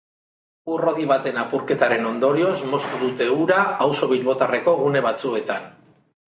Ur-hodi baten apurketaren ondorioz moztu dute ura auzo bilbotarreko gune batzuetan.